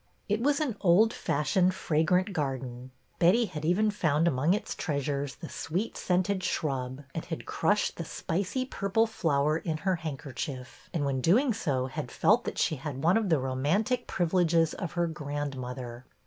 It was an old fashioned, fragrant garden. Betty had even found among its treasures the sweet scented shrub, and had crushed the spicy purple flower in her handkerchief, and when doing so had felt that she had one of the roman tic privileges of her grandmother.